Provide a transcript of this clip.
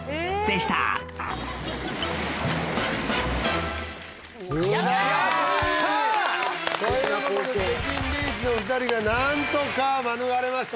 シャーッということで出禁リーチの２人が何とか免れました